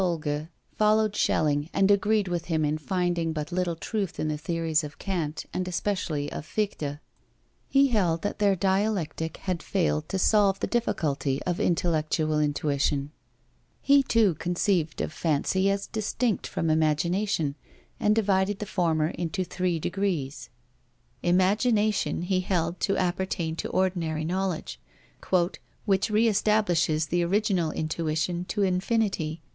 Solger followed Schelling and agreed with him in finding but little truth in the theories of Kant, and especially of Fichte. He held that their dialectic had failed to solve the difficulty of intellectual intuition. He too conceived of fancy as distinct from imagination, and divided the former into three degrees. Imagination he held to appertain to ordinary knowledge, "which re establishes the original intuition to infinity."